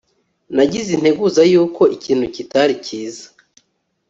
Nagize integuza yuko ikintu kitari cyiza